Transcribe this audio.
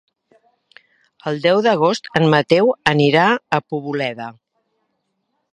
El deu d'agost en Mateu anirà a Poboleda.